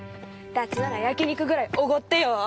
ダチなら焼き肉ぐらいおごってよ！